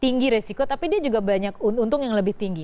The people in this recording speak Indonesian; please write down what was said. tinggi resiko tapi dia juga banyak untung yang lebih tinggi